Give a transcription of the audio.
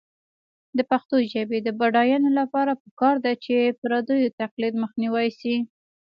د پښتو ژبې د بډاینې لپاره پکار ده چې پردیو تقلید مخنیوی شي.